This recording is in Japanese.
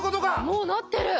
もうなってる！